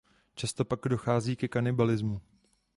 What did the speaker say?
Často pak dochází ke kanibalismu.